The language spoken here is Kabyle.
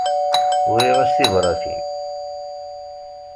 Uriɣ-as tibratin.